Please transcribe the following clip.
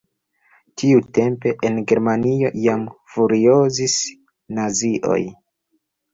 Tiutempe en Germanio jam furiozis nazioj.